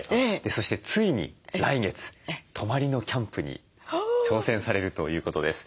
そしてついに来月泊まりのキャンプに挑戦されるということです。